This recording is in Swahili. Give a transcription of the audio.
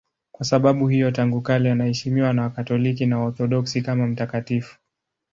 Kwa sababu hiyo tangu kale anaheshimiwa na Wakatoliki na Waorthodoksi kama mtakatifu.